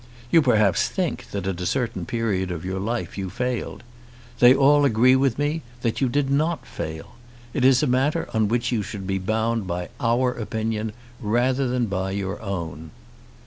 You perhaps think that at a certain period of your life you failed. They all agree with me that you did not fail. It is a matter on which you should be bound by our opinion rather than by your own.